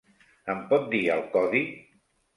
Em pot dir el codi?